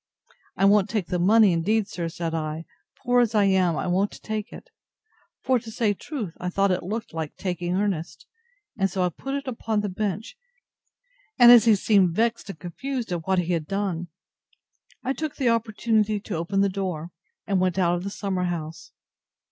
I won't take the money, indeed, sir, said I, poor as I am I won't take it. For, to say truth, I thought it looked like taking earnest, and so I put it upon the bench; and as he seemed vexed and confused at what he had done, I took the opportunity to open the door, and went out of the summer house.